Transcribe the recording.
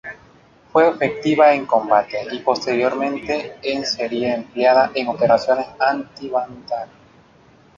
Fue efectiva en combate y posteriormente en sería empleada en operaciones anti-bandidaje.